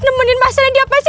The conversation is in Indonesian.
nemenin mas reddy apa sih